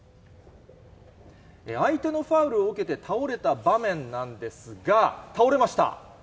相手のファウルを受けて倒れた場面なんですが、倒れました。